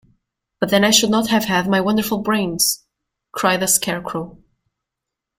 But then I should not have had my wonderful brains! cried the Scarecrow.